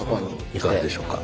いかがでしょうか？